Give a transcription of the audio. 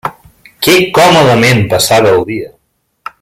Que còmodament passava el dia!